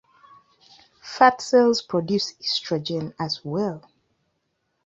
Fat cells produce estrogen as well.